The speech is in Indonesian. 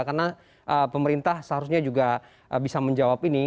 karena pemerintah seharusnya juga bisa menjawab ini